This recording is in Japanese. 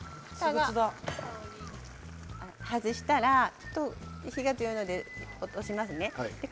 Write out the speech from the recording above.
ちょっと火が強いので落としますね。